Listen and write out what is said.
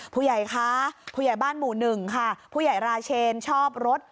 ผู้ใหญ่คะผู้ใหญ่บ้านหมู่หนึ่งค่ะผู้ใหญ่ราเชนชอบรถ